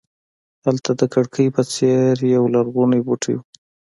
هلته د کړکۍ په څېر یولرغونی بوټی و.